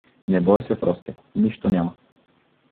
— Не бой се, Фроске, нищо няма.